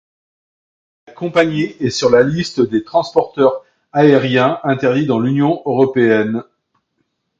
La compagnie est sur la Liste des transporteurs aériens interdits dans l'Union Européenne.